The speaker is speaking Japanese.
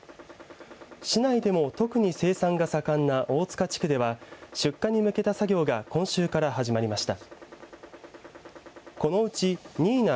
市内でも特に生産が盛んな大束地区では出荷に向けた作業が今週から始まりました。